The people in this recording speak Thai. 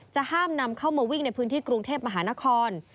ห้ามนำเข้ามาวิ่งในพื้นที่กรุงเทพมหานคร